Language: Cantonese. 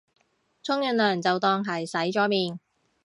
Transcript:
沖完涼就當係洗咗面